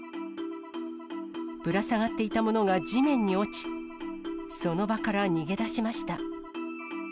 ぶら下がっていたものが地面に落ち、その場から逃げ出しました。